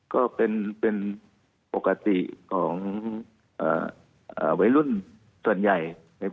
ก็เป็นปกติของวัยรุ่นส่วนใหญ่